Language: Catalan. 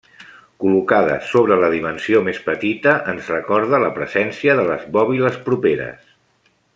Col·locades sobre la dimensió més petita ens recorda la presència de les bòbiles properes.